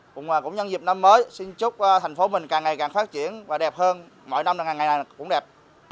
cùng cũng nhân dịp năm mới xin chúc thành phố mình càng ngày càng phát triển và đẹp hơn mỗi năm ngày này cũng đẹp